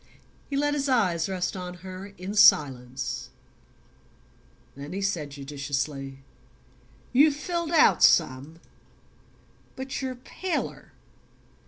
He let his eyes rest on her in silence; then he said judicially: "You've filled out some; but you're paler."